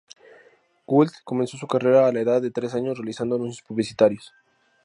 Gould comenzó su carrera a la edad de tres años realizando anuncios publicitarios.